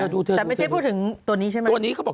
แต่ไม่ใช่พูดถึงตัวนี้ใช่ไหม